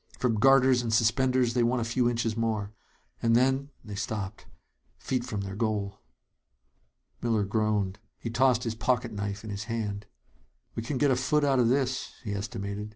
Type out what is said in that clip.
From garters and suspenders they won a few inches more. And then they stopped feet from their goal. Miller groaned. He tossed his pocket knife in his hand. "We can get a foot out of this," he estimated.